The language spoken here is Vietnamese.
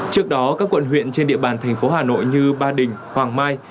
trước đó các quận huyện trên địa bàn thành phố hà nội như ba đình hoàng mai